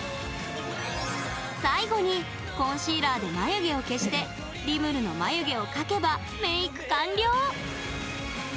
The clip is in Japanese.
最後に、コンシーラーで眉毛を消してリムルの眉毛を描けばメイク完了！